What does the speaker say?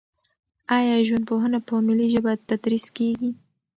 آیا ژوندپوهنه په ملي ژبه تدریس کیږي؟